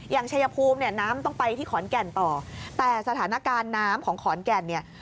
ชายภูมิเนี่ยน้ำต้องไปที่ขอนแก่นต่อแต่สถานการณ์น้ำของขอนแก่นเนี่ย